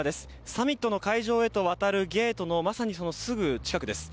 サミットの会場へと渡るゲートのまさにそのすぐ近くです。